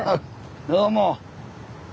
どうも。